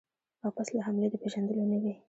او پس له حملې د پېژندلو نه وي.